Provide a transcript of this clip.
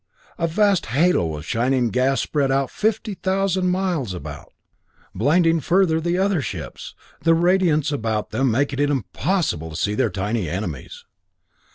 A vast halo of shining gas spread out fifty thousand miles about, blinding further the other ships, the radiance about them making it impossible to see their tiny enemies.